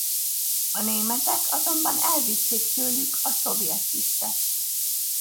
A németek azonban elvitték tőlük a szovjet tisztet.